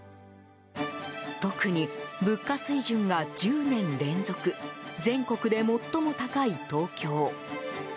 特に、物価水準が１０年連続全国で最も高い東京。